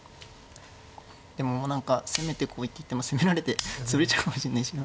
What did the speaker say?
でも何か攻めてこいって言っても攻められて潰れちゃうかもしんないしな。